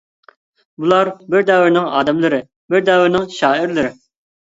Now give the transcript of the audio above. بۇلار بىر دەۋرنىڭ ئادەملىرى، بىر دەۋرنىڭ شائىرلىرى.